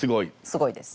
すごいです。